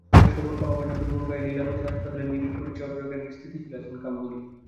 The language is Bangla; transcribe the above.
শেষ খবর পাওয়া পর্যন্ত মুম্বাইয়ের লীলাবতী হাসপাতালের নিবিড় পরিচর্যাকেন্দ্রে স্থিতিশীল আছেন কাম্বলি।